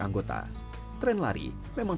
anggota tren lari memang